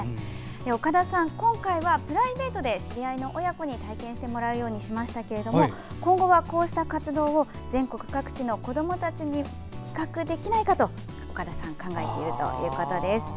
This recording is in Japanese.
岡田さん、今回はプライベートで知り合いの親子に体験してもらうようにしましたが今後はこうした活動を全国各地の子どもたちに企画できないかと岡田さんは考えているということです。